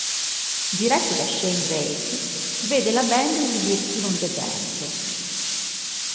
Diretto da Shane Drake, vede la band esibirsi in un deserto.